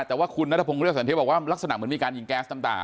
แต่ว่าคุณนัทพงศ์เรือสันเทพบอกว่าลักษณะเหมือนมีการยิงแก๊สน้ำตา